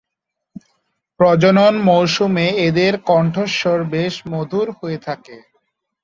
প্রজনন মৌসুমে এদের কণ্ঠস্বর বেশ মধুর হয়ে থাকে।